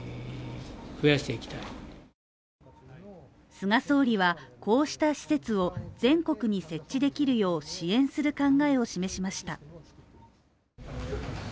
菅総理は、こうした施設を全国に設置できるよう支援する考えを示しました。